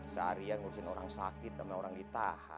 seharian ngurusin orang sakit sama orang ditahan